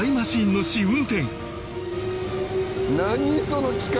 その機械！